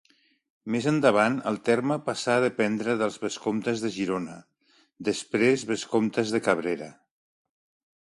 Més endavant el terme passà a dependre dels vescomtes de Girona, després vescomtes de Cabrera.